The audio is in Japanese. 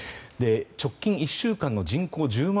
直近１週間の人口１０万